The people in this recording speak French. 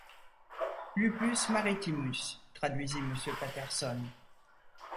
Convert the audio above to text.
Lupus maritimus », traduisit Monsieur Patterson.